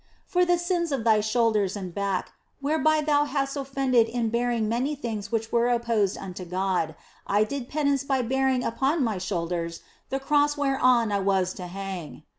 " For the sins of thy shoulders and back, whereby thou hast offended in bearing many things which were opposed unto God, I did penance by bearing upon My shoulders the Cross whereon I was to hang.